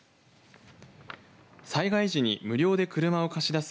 災害時に無料で車を貸し出す